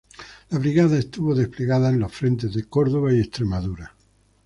La brigada estuvo desplegada en los frentes de Córdoba y Extremadura.